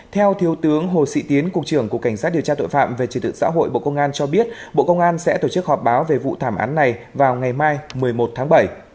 theo thiếu tướng hồ sĩ tiến cục trưởng cục cảnh sát điều tra tội phạm về trật tự xã hội bộ công an cho biết bộ công an sẽ tổ chức họp báo về vụ thảm án này vào ngày mai một mươi một tháng bảy